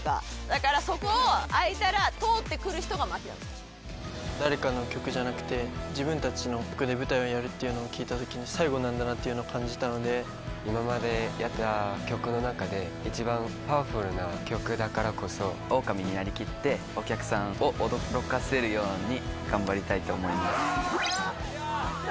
だからそこが開いたら、誰かの曲じゃなくて、自分たちの曲で舞台をやるっていうのを聞いたときに、最後なんだなって今までやった曲の中で、一番パワフルな曲だからこそ、オオカミになりきって、お客さんを驚かせるように頑張りたいと思います。